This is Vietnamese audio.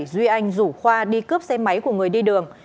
duy anh rủ khoa đi cướp xe máy của người đi đường